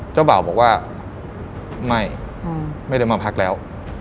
เจ้าบ่าวบอกว่าไม่ไม่ได้มาพักแล้ว